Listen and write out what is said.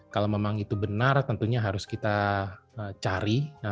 kalau memang itu benar tentunya harus kita cari